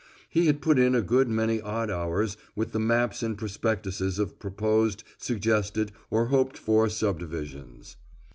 He put in a good many odd hours with the maps and prospectuses of proposed, suggested or hoped for subdivisions.